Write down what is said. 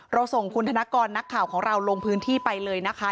ส่งคุณธนกรนักข่าวของเราลงพื้นที่ไปเลยนะคะ